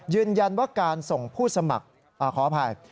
ยืนยันว่าการส่งผู้สมัครขออภัย